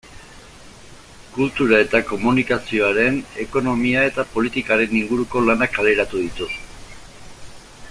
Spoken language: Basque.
Kultura eta komunikazioaren, ekonomia eta politikaren inguruko lanak kaleratu ditu.